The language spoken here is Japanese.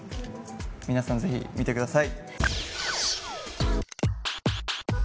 皆さんぜひ見て下さい！